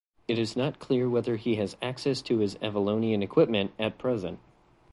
It is not clear whether he has access to his Avalonian equipment at present.